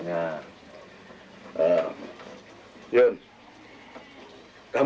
anak pasar berk culturil zalim